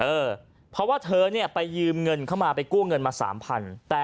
เออเพราะว่าเธอเนี่ยไปยืมเงินเข้ามาไปกู้เงินมา๓๐๐บาท